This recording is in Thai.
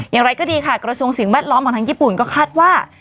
อย่างไรก็ดีค่ะกระทรวงสิ่งแวดล้อมของทางญี่ปุ่นก็คาดว่า